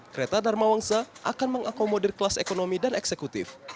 kereta dharma wangsa akan mengakomodir kelas ekonomi dan eksekutif